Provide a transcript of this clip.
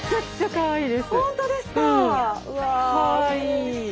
かわいい。